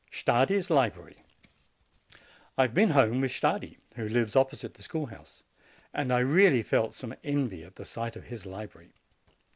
STARDI'S LIBRARY I have been home with Stardi, who lives opposite the schoolhouse; and I really felt some envy at the sight of his library.